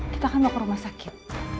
kita akan mau ke rumah sakit